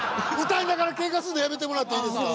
歌いながらけんかすんのやめてもらっていいですか？